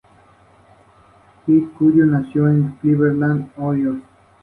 Fue recibido con gran alegría y sorpresa, ya que se les daba por desaparecidos.